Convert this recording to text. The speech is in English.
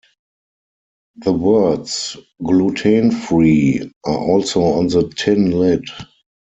The words "Gluten Free" are also on the tin lid.